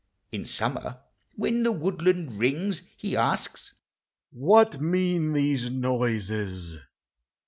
In summer when the woodland rings, He asks " What mean these noises?